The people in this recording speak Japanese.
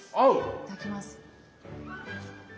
いただきます。